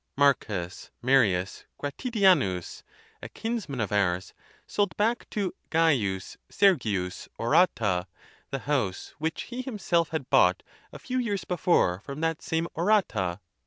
Marcus Marius Gratidianus, a kinsman of ours^ sold back to Gaius Sergius Orata the house which he himself had bought a few years before from that same Orata.